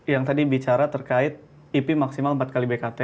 yang tadi bicara terkait ip maksimal empat kali bkt